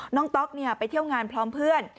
น้องต๊อกไปเที่ยวงานผลัมเพื่อน